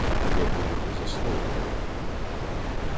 Дякувати за слово добре.